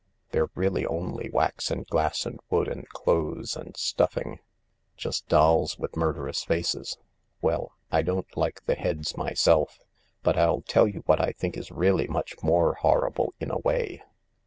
They're really only wax and glass and wood and clothes and stuffing —just dolls with murderous faces. Well, I don't like the heads myself. But I'll tell you what I think is really much more horrible, in a way."